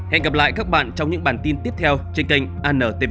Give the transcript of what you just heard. hẹn gặp lại các bạn trong những bản tin tiếp theo trên kênh ann tv